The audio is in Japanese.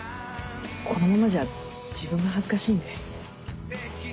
このままじゃ自分が恥ずかしいんで。